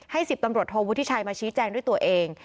๑๐ตำรวจโทวุฒิชัยมาชี้แจงด้วยตัวเอง